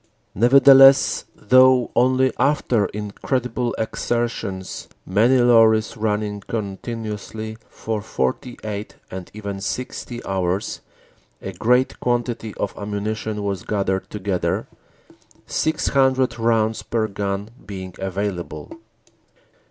Nevertheless, though only after incredible exertions, many lorries running continuously for forty eight and even sixty hours, a great quantity of ammunition was gathered together, six hundred rounds per gun being available.